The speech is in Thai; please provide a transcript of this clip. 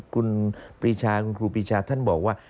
คุณปีชาคุณครูปีชาท่านบอกว่า